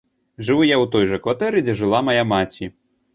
Жыву я ў той жа кватэры, дзе жыла мая маці.